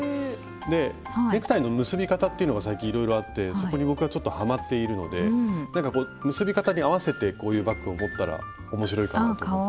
でネクタイの結び方っていうのが最近いろいろあってそこに僕がちょっとハマっているのでなんかこう結び方に合わせてこういうバッグを持ったら面白いかなと思って。